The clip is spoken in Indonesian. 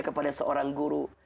kepada seorang guru